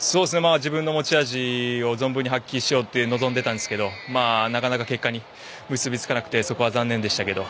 自分の持ち味を存分に発揮しようと臨んでいたんですがなかなか結果に結びつかなくてそこは残念でしたけど。